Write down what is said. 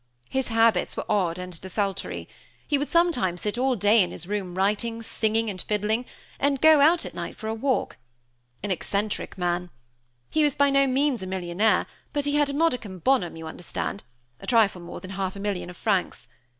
His habits were odd and desultory. He would sometimes sit all day in his room writing, singing, and fiddling, and go out at night for a walk. An eccentric man! He was by no means a millionaire, but he had a modicum bonum, you understand a trifle more than half a million of francs.